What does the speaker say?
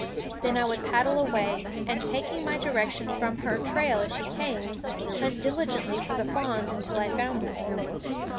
Then I would paddle away and, taking my direction from her trail as she came, hunt dili gently for the fawns until I found them.